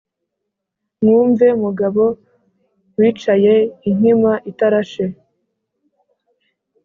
Mwumve mugabo wicayeinkima itarashe :